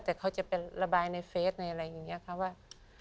แต่เขาจะเป็นระบายในเฟสในอะไรอย่างนี้ค่ะว่า